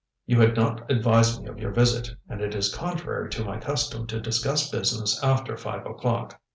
You had not advised me of your visit, and it is contrary to my custom to discuss business after five o'clock.